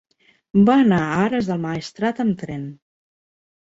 Va anar a Ares del Maestrat amb tren.